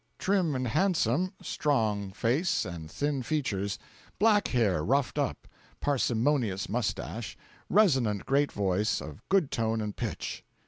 Trim and handsome; strong face and thin features; black hair roughed up; parsimonious moustache; resonant great voice, of good tone and pitch.